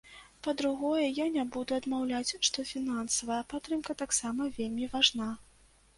Па-другое, я не буду адмаўляць, што фінансавая падтрымка таксама вельмі важна.